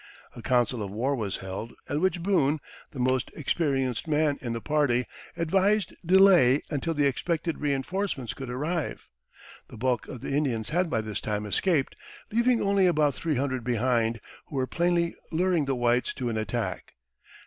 A council of war was held, at which Boone, the most experienced man in the party, advised delay until the expected reenforcements could arrive. The bulk of the Indians had by this time escaped, leaving only about three hundred behind, who were plainly luring the whites to an attack.